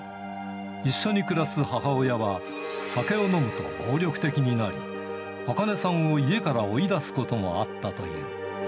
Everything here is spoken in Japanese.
一緒に暮らす母親は、酒を飲むと暴力的になり、アカネさんを家から追い出すこともあったという。